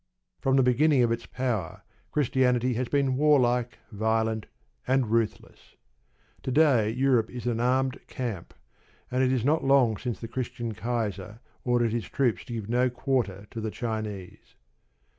From the beginning of its power Christianity has been warlike, violent, and ruthless. To day Europe is an armed camp, and it is not long since the Christian Kaiser ordered his troops to give no quarter to the Chinese.